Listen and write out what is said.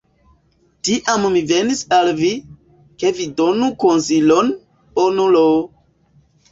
Tiam mi venis al vi, ke vi donu konsilon, bonulo!